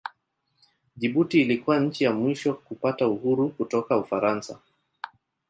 Jibuti ilikuwa nchi ya mwisho kupata uhuru kutoka Ufaransa.